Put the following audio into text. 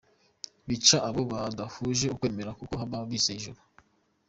Bica abo badahuje ukwemera kuko baba bizeye ijuru.